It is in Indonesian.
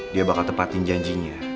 dia bakal tepatin janjinya